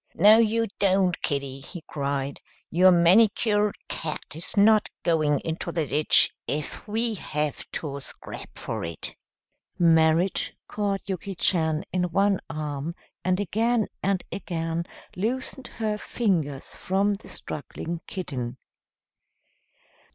"No, you don't, kiddie," he cried; "your manicured cat is not going into the ditch, if we have to scrap for it." Merrit caught Yuki Chan in one arm, and again and again loosened her fingers from the struggling kitten.